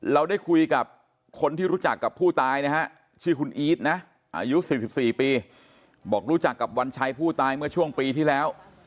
เราได้คุยกับคนที่รู้จักกับผู้ตายนะฮะชื่อคุณอีทนะอายุ๔๔ปีบอกรู้จักกับวันชัยผู้ตายเมื่อช่วงปีที่แล้ว